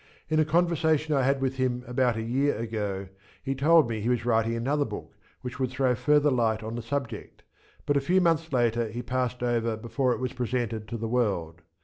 In a conversation I had with him about a year ago, he told me he was writing another book which would throw further light on the subject, but a few months later he passed over before it was presented to the world.